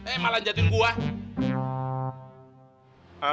eh malanjatin gua